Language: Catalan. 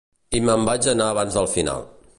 I me'n vaig anar abans del final.